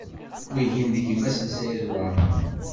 Wihin d gma-s n Saɛid Waɛmaṛ.